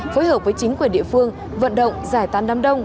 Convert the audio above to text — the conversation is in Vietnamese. phối hợp với chính quyền địa phương vận động giải tán đám đông